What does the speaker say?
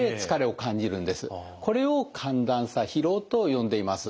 これを寒暖差疲労と呼んでいます。